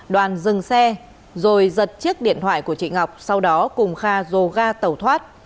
đoàn dừng xe rồi giật chiếc điện thoại của chị ngọc sau đó cùng kha dồ ga tàu thoát